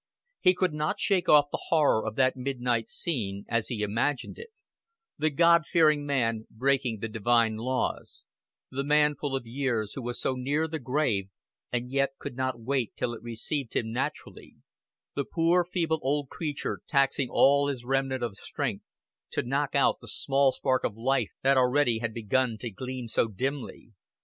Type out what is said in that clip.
He could not shake off the horror of that midnight scene, as he imagined it the God fearing man breaking the divine laws, the man full of years who was so near the grave and yet could not wait till it received him naturally, the poor feeble old creature taxing all his remnant of strength to knock out the small spark of life that already had begun to gleam so dimly.